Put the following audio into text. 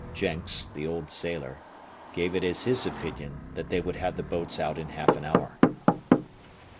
Jenks, the old sailor, gave it as his opinion that they would have the boats out in half an hour.